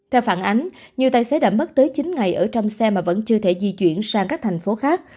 theo phản ánh nhiều tài xế đã mất tới chín ngày ở trong xe mà vẫn chưa thể di chuyển sang các thành phố khác